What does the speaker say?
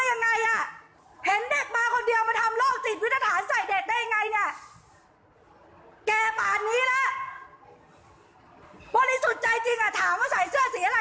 เอาให้อยู่ไม่ได้เลยเดี๋ยวเถอะดูไหมเลยนะคะโรคจิตวิทยาฐานใส่เด็กในห้องน้ำ